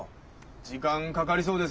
時間かかりそうですねえ。